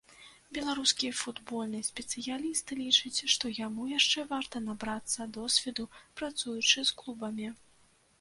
Беларускі футбольны спецыяліст лічыць, што яму яшчэ варта набрацца досведу, працуючы з клубамі.